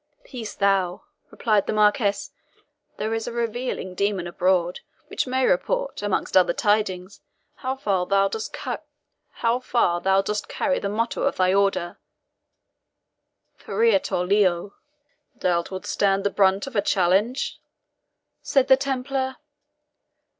"Peace, thou !" replied the Marquis; "there is a revealing demon abroad which may report, amongst other tidings, how far thou dost carry the motto of thy order 'FERIATUR LEO'." "Thou wilt stand the brunt of challenge?" said the Templar.